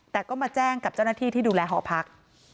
แต่ก็มาแจ้งกับเจ้าหน้าที่ที่ดูแลหอพัก